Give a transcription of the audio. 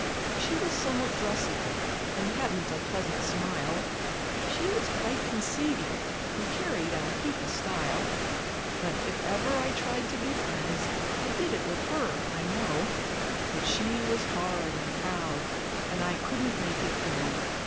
She was somewhat dressy, an' hadn't a pleasant smile She was quite conceity, and carried a heap o' style; But if ever I tried to be friends, I did with her, I know; But she was hard and proud, an' I couldn't make it go.